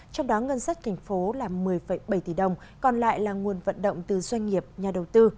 trong đó ngân sách thành phố là một mươi bảy tỷ đồng còn lại là nguồn vận động từ doanh nghiệp nhà đầu tư